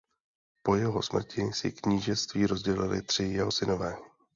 Po jeho smrti si knížectví rozdělili tři jeho synové.